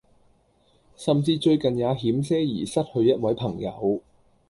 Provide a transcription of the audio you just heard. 甚至最近也險些兒失去一位朋友